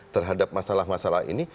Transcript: terhadap masalah masalah ini